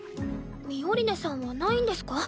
ミオリネさんはないんですか？